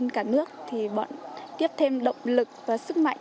nhân dân cả nước thì bọn em kiếp thêm động lực và sức mạnh